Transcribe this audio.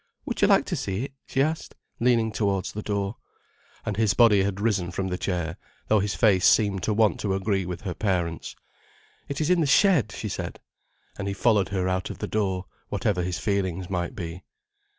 "Would you like to see it?" she asked, leaning towards the door. And his body had risen from the chair, though his face seemed to want to agree with her parents. "It is in the shed," she said. And he followed her out of the door, whatever his feelings might be.